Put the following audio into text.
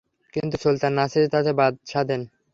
কিন্তু সুলতান নাসির তাতে বাদ সাধেন।